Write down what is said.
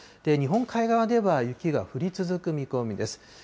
日本海側では、雪が降り続く見込みです。